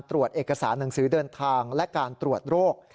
ตรวจเอกสารหนังสือเดินทางและการตรวจโรค